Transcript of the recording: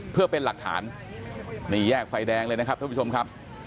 เพื่อเป็นหลักฐานนี่แยกไฟแดงเลยนะครับท่านผู้ชมครับ